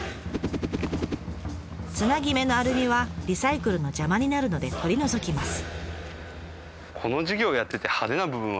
つなぎ目のアルミはリサイクルの邪魔になるので取り除きます。